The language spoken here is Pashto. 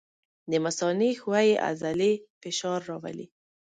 د مثانې ښویې عضلې فشار راولي.